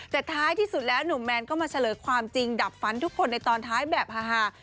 แต่ท้ายที่สุดแล้วหนุ่มแมนก็มาเฉลยความจริงดับฟันทุกคนในตอนท้ายแบบฮา